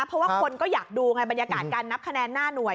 เพราะว่าคนก็อยากดูไงบรรยากาศการนับคะแนนหน้าหน่วย